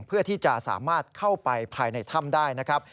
เพื่อที่จะสามารถเข้าไปภายในถ้ำได้นะครับ